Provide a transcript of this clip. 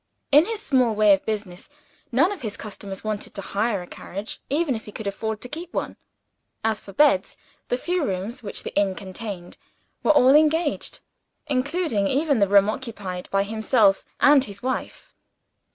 In his small way of business, none of his customers wanted to hire a carriage even if he could have afforded to keep one. As for beds, the few rooms which the inn contained were all engaged; including even the room occupied by himself and his wife.